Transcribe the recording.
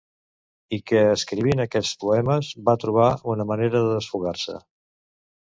I que escrivint aquests poemes va trobar una manera de desfogar-se.